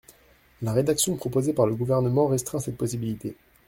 La rédaction proposée par le Gouvernement restreint cette possibilité.